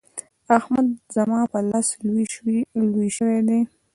احمد زما پر لاس لوی شوی دی.